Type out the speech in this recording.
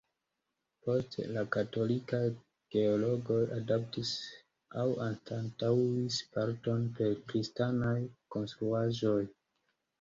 Poste, la Katolikaj Gereĝoj adaptis aŭ anstataŭis parton per kristanaj konstruaĵoj.